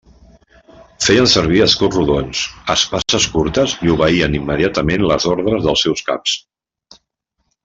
Feien servir escuts rodons, espases curtes i obeïen immediatament les ordres dels seus caps.